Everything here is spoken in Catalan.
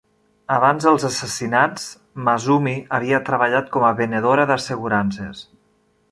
Abans dels assassinats, Masumi havia treballat com a venedora d'assegurances.